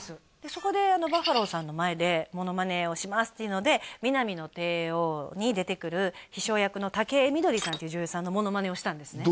そこでバッファローさんの前でモノマネをしますっていうので「ミナミの帝王」に出てくる秘書役の竹井みどりさんっていう女優さんのモノマネをしたんですね